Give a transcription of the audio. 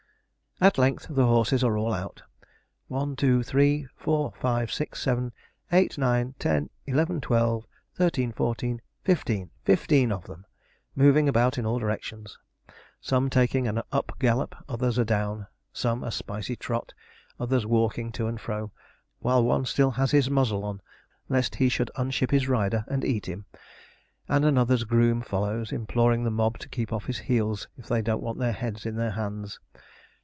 At length the horses are all out one, two, three, four, five, six, seven, eight, nine, ten, eleven, twelve, thirteen, fourteen, fifteen fifteen of them, moving about in all directions: some taking an up gallop, others a down; some a spicy trot, others walking to and fro; while one has still his muzzle on, lest he should unship his rider and eat him; and another's groom follows, imploring the mob to keep off his heels if they don't want their heads in their hands.